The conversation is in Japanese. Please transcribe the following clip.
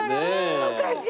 おかしい。